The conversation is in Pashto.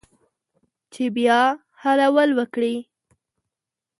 چې بیا حلول وکړي